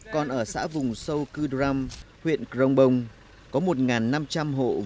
còn ở xã vùng sâu cư đram huyện crong bông có một năm trăm linh hộ